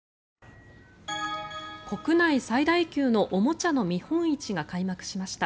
国内最大級のおもちゃの見本市が開幕しました。